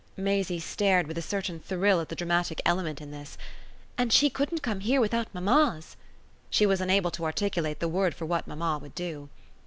Maisie stared with a certain thrill at the dramatic element in this. "And she couldn't come here without mamma's " She was unable to articulate the word for what mamma would do.